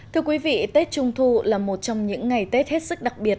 thưa quý vị tết trung thu là một trong những ngày tết hết sức đặc biệt